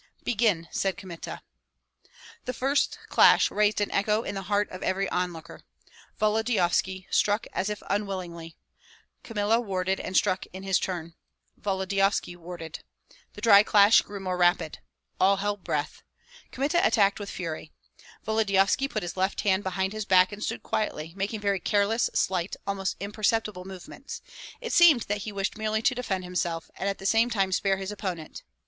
"Begin!" said Kmita. The first clash raised an echo in the heart of every onlooker. Volodyovski struck as if unwillingly; Kmita warded and struck in his turn; Volodyovski warded. The dry clash grew more rapid. All held breath. Kmita attacked with fury. Volodyovski put his left hand behind his back and stood quietly, making very careless, slight, almost imperceptible movements; it seemed that he wished merely to defend himself, and at the same time spare his opponent.